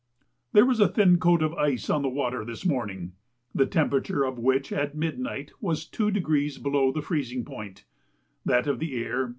There was a thin coat of ice on the water this morning, the temperature of which at midnight was 2° below the freezing point, that of the air 36°.